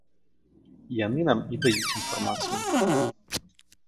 Яны нам і даюць інфармацыю.